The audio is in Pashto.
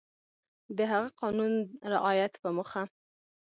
د هغه قانون رعایت په موخه